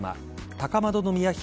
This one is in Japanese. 高円宮妃